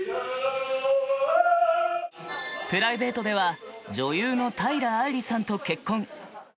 プライベートでは女優の平愛梨さんと結婚。